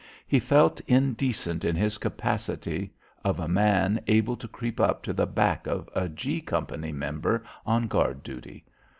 He felt indecent in his capacity of a man able to creep up to the back of a G Company member on guard duty.